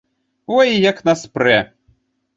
Ой, як нас прэ!